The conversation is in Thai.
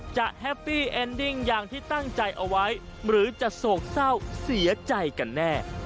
แฮปปี้แอนดิ้งอย่างที่ตั้งใจเอาไว้หรือจะโศกเศร้าเสียใจกันแน่